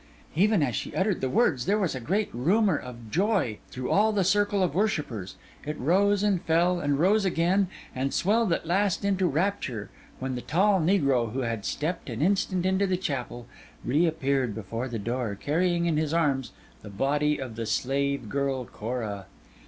Even as she uttered the words, there was a great rumour of joy through all the circle of worshippers; it rose, and fell, and rose again; and swelled at last into rapture, when the tall negro, who had stepped an instant into the chapel, reappeared before the door, carrying in his arms the body of the slave girl, Cora.